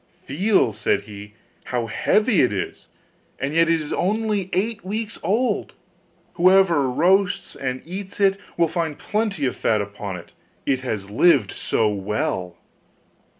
'Feel,' said he, 'how heavy it is, and yet it is only eight weeks old. Whoever roasts and eats it will find plenty of fat upon it, it has lived so well!